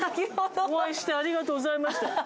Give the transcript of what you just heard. お会いしてありがとうございました。